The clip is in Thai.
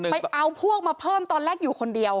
ไปเอาพวกมาเพิ่มตอนแรกอยู่คนเดียว